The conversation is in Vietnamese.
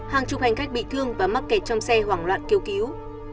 hàng chục hành khách bị thương và mắc kẹt trong xe hoảng loạn kêu cứu